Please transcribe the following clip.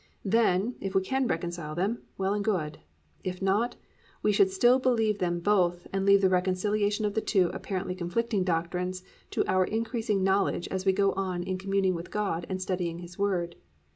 Then, if we can reconcile them, well and good; if not, we should still believe them both and leave the reconciliation of the two apparently conflicting doctrines to our increasing knowledge as we go on communing with God and studying His Word.